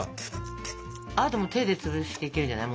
あともう手で潰していけるんじゃない。